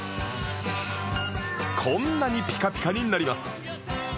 こんなにピカピカになります